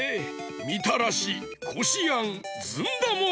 みたらしこしあんずんだもあるぞ。